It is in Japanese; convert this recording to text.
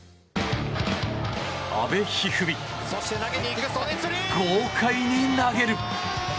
阿部一二三、豪快に投げる。